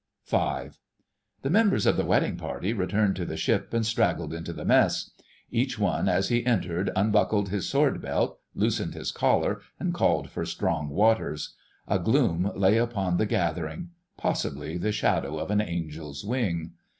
*V.* The members of the wedding party returned to the ship and straggled into the Mess. Each one as he entered unbuckled his sword belt, loosened his collar, and called for strong waters. A gloom lay upon the gathering: possibly the shadow of an angel's wing.